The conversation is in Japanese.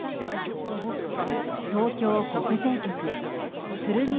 東京国税局、鶴見